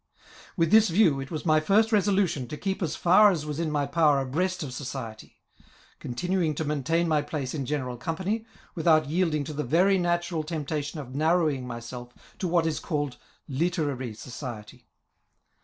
With this view, it was my first resolution to keep as far as was in my power abreast of society, continuing to maintain my place in general company, without yield ing to the very natural temptation of narrowing myself to what is caUed literary society.